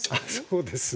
そうですね。